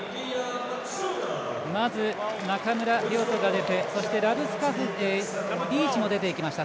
まず中村亮土が出てそして、リーチも出ていきました。